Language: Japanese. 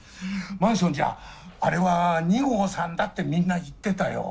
マンションじゃあれは二号さんだってみんな言ってたよ。